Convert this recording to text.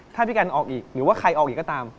ถ้าพี่กันออกอีกหรือว่าใครออกอีกก็ตาม